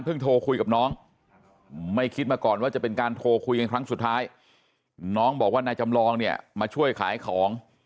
พอคุยกันครั้งสุดท้ายน้องบอกว่านายจำลองเนี่ยมาช่วยขายของ